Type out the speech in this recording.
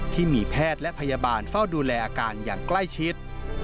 ที่มีแพทย์และพยาบาลเฝ้าดูแลอาการอย่างใกล้ชิด